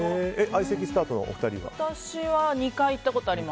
相席スタートのお二人は？